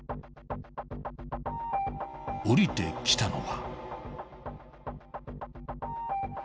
［降りてきたのは］